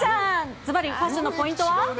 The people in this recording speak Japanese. ずばり、ファッションのポイントは？